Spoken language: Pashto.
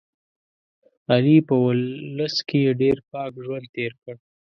علي په اولس کې ډېر پاک ژوند تېر کړ.